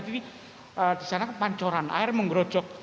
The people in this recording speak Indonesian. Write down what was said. jadi di sana pancoran air menggerodok